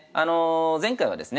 前回はですね